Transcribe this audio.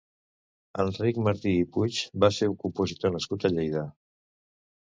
Enric Martí i Puig va ser un compositor nascut a Lleida.